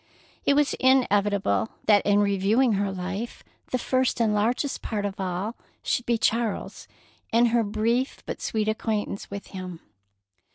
It was inevitable that in reviewing her life the first and largest part of all should be Charles and her brief but sweet acquaintance with him.